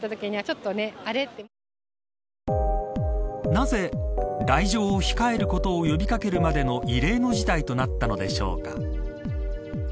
なぜ来場を控えることを呼び掛けるまでの異例の事態となったのでしょうか。